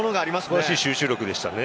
素晴らしい集中力でしたね。